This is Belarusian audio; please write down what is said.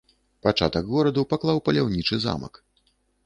Пачатак гораду паклаў паляўнічы замак.